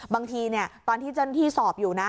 บางทีตอนที่ที่สอบอยู่